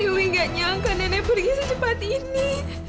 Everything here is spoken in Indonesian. tapi gak nyangka nenek pergi secepat ini